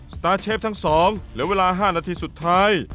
สตาร์เชฟทั้ง๒เหลือเวลา๕นาทีสุดท้าย